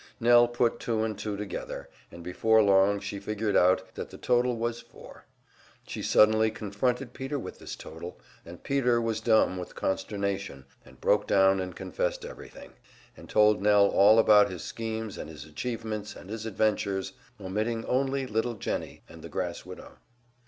Nell put two and two together, and before long she figured out that the total was four; she suddenly confronted Peter with this total, and Peter was dumb with consternation, and broke down and confessed everything, and told Nell all about his schemes and his achievements and his adventures omitting only little Jennie and the grass widow.